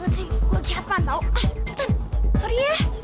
gue nggak peduli